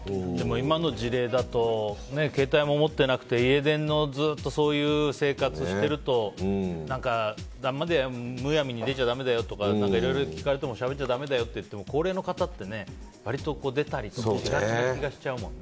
今の事例だと携帯も持ってなくて家電のずっとそういう生活をしているとむやみに出ちゃだめだよとかいろいろ聞かれてもしゃべっちゃだめだよって言っても、高齢の方って割と出がちな気がしちゃうもんね。